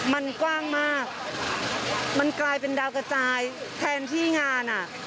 มันกว้างมากมันกลายเป็นดาวกระจายแทนที่งานอ่ะ